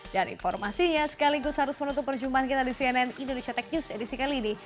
informasinya sekaligus harus menutup perjumpaan kita di cnn indonesia tech news edisi kali ini